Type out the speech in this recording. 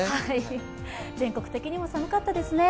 全国的にも寒かったですね。